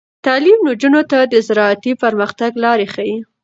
تعلیم نجونو ته د زراعتي پرمختګ لارې ښيي.